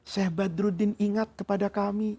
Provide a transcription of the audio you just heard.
sheikh badruddin ingat kepada kami